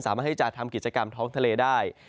สามารถที่จะทำกิจกรรมท้องทะเลได้